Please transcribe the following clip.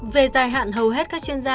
về dài hạn hầu hết các chuyên gia